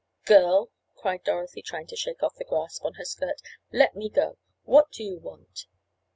"Girl!" cried Dorothy, trying to shake off the grasp on her skirt. "Let me go! What do you want?"